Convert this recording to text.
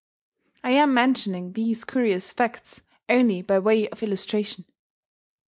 (I am mentioning these curious facts only by way of illustration.)